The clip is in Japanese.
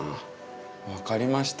分かりました。